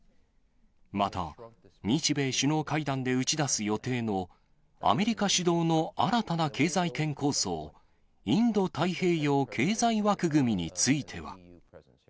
また、日米首脳会談で打ち出す予定のアメリカ主導の新たな経済圏構想、インド太平洋経済枠組みについては。